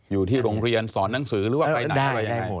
อยู่ที่โรงเรียนสอนหนังสือหรือว่าไปไหนอะไรยังไง